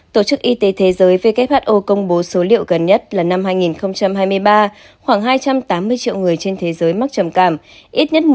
tổ chức y tế thế giới who công bố số liệu gần nhất là năm hai nghìn hai mươi ba khoảng hai trăm tám mươi triệu người trên thế giới mắc trầm cảm